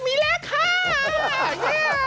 มีแล้วค่ะ